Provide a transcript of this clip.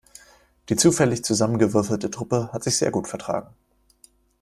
Die zufällig zusammengewürfelte Truppe hat sich sehr gut vertragen.